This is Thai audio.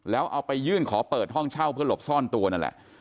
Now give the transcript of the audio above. แล้วเอาไปยื่นขอเปิดห้องเช่าเพื่อหลบซ่อนตัวนั่นแหละ